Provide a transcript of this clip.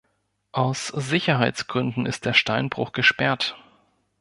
Aus Sicherheitsgründen ist der Steinbruch gesperrt.